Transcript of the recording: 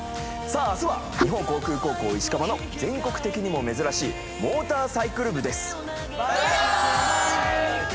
明日は日本航空高校石川の全国的にも珍しいモーターサイクル部です。